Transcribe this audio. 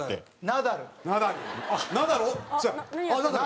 ナダル！